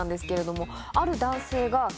ある男性が。